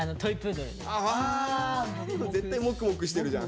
あ絶対もくもくしてるじゃん。